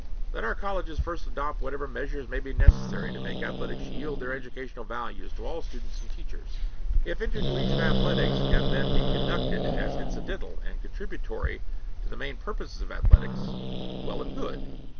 Let our colleges first adopt whatever measures may be necessary to make athletics yield their educational values to all students and teachers. If intercollegiate athletics can then be conducted as incidental and contributory to the main purposes of athletics, well and good.